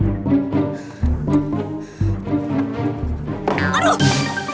berdua apaan itu